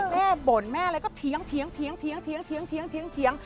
บ่นแม่อะไรก็เถียง